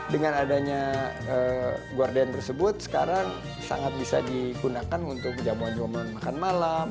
dengan adanya gordon tersebut sekarang sangat bisa digunakan untuk jamuan jamuan makan malam